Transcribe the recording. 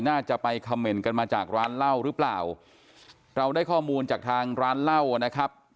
น่าจะไปคำเมนต์กันมาจากร้านเหล้าหรือเปล่าเราได้ข้อมูลจากทางร้านเหล้านะครับ